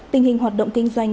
tình hình hoạt động kinh doanh